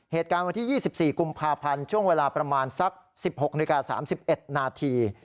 เหตุการณ์วันที่๒๔กุมภาพันธ์ช่วงเวลาประมาณสัก๑๖นาฬิกา๓๑นาที